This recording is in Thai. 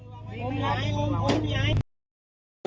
อบย้ายอบย้าย